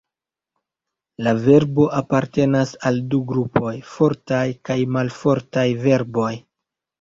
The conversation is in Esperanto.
La verboj apartenas al du grupoj, fortaj kaj malfortaj verboj.